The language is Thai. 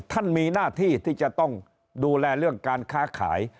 ท่านมีหน้าที่ที่จะต้องดูแลเรื่องการค้าขาย